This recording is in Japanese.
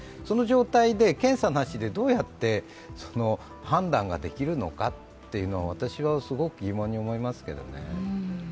その状態で検査なしでどうやって判断ができるのかというのは、私はすごく疑問に思いますけどね。